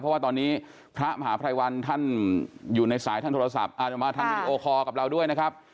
เพราะว่าตอนนี้พระมหาภัยวันท่านอยู่ในสายทางโทรศัพท์อาจจะมาทางวีดีโอคอร์กับเราด้วยนะครับ